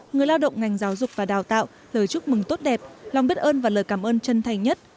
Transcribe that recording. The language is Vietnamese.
người lao động ngành giáo dục và đào tạo lời chúc mừng tốt đẹp lòng biết ơn và lời cảm ơn chân thành nhất